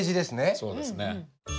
そうですね。